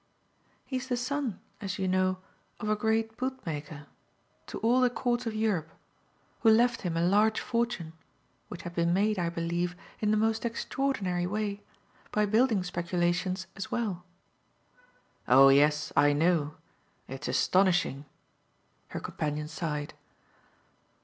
"He's the son, as you know, of a great bootmaker 'to all the Courts of Europe' who left him a large fortune, which had been made, I believe, in the most extraordinary way, by building speculations as well." "Oh yes, I know. It's astonishing!" her companion sighed.